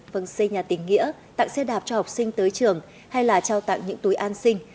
phần xây nhà tình nghĩa tặng xe đạp cho học sinh tới trường hay là trao tặng những túi an sinh